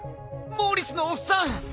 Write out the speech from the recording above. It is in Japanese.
モーリスのおっさん。